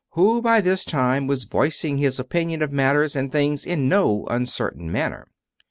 who, by this time, was voicing his opinion of matters and things in no uncertain manner.